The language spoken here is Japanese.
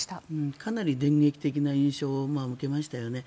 かなり電撃的な印象を受けましたよね。